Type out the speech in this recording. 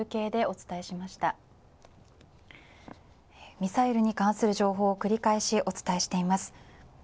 ミサイルに関する情報を繰り返しお伝えしています。